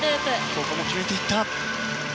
ここも決めていった。